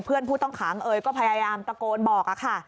ผู้ต้องขังเอ๋ยก็พยายามตะโกนบอกค่ะ